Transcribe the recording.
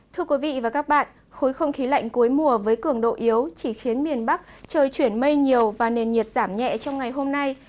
thưa quý vị và các bạn khối không khí lạnh cuối mùa với cường độ yếu chỉ khiến miền bắc trời chuyển mây nhiều và nền nhiệt giảm nhẹ trong ngày hôm nay